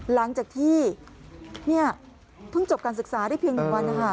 หลังจากที่เพิ่งจบการศึกษาได้เพียง๑วัน